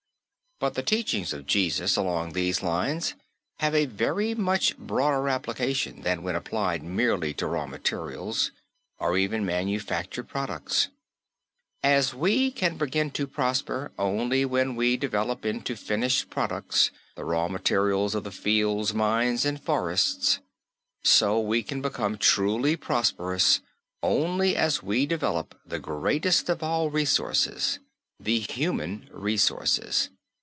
But the teachings of Jesus along these lines have a very much broader application than when applied merely to raw materials, or even manufactured products. As we can begin to prosper only when we develop into finished products the raw materials of the fields, mines and forests, so we can become truly prosperous only as we develop the greatest of all resources, the human resources.